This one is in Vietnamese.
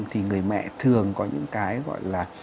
thì người mẹ thường có những cái gọi là